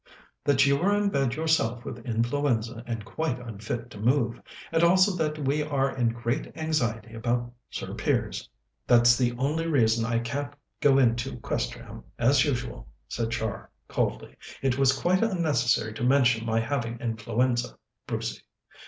"That you were in bed yourself with influenza, and quite unfit to move; and also that we are in great anxiety about Sir Piers." "That's the only reason I can't go in to Questerham as usual," said Char coldly. "It was quite unnecessary to mention my having influenza, Brucey.